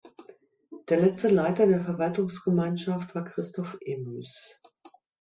Der letzte Leiter der Verwaltungsgemeinschaft war Christoph Emus.